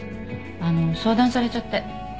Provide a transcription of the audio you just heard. あの相談されちゃって。